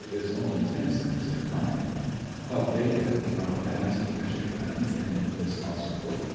is only ten cents in money. Hub Dakin, from Dansville, Mich., is in this hospital.